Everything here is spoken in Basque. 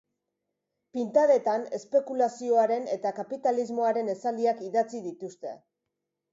Pintadetan espekulazioaren eta kapitalismoaren esaldiak idatzi dituzte.